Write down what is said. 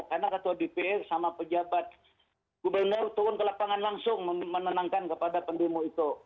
karena ketua dpr sama pejabat gubernur turun ke lapangan langsung menenangkan kepada pendemo itu